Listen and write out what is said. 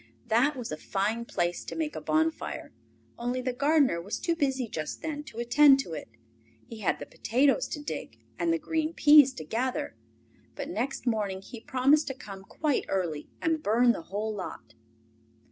That was a fine place to make a bonfire, only the gardener was too busy just then to attend to it. He had the potatoes to dig and the green peas to gather, but next morning he promised to come quite early and burn the whole lot.